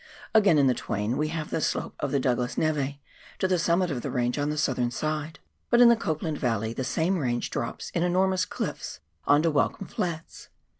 Again, in the Twain we haye the slope of the Douglas neiS to the summit of the range on the southern side, but in the Copland Yalley, the same range drops in enormous clifis on to Welcome Flats.